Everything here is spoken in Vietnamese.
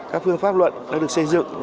các phương pháp luận đã được xây dựng